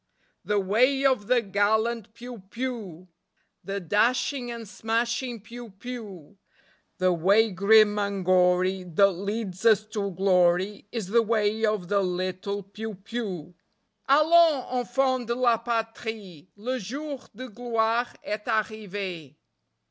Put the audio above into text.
The way of the gallant piou piou, The dashing and smashing piou piou; The way grim and gory that leads us to glory Is the way of the little piou piou. _Allons, enfants de la Patrie, Le jour de gloire est arrivé.